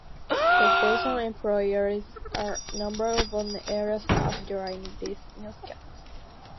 The station employs a number of on-air staff during its newscasts.